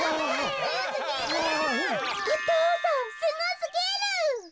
お父さんすごすぎる！